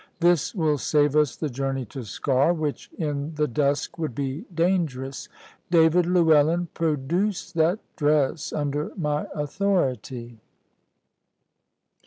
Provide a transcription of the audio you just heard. This will save us the journey to Sker, which in the dusk would be dangerous. David Llewellyn, produce that dress, under my authority."